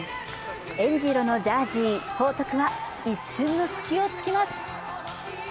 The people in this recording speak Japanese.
えんじ色のジャージー、報徳は一瞬の隙を突きます。